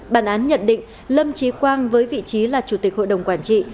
bản án nhận định lâm trí quang với vị trí là chủ tịch hội đồng quản trị